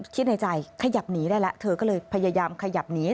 คิดในใจขยับหนีได้แล้วเธอก็เลยพยายามขยับหนี